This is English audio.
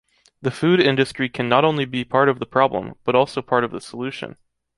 The food industry can not only be part of the problem, but also part of the solution.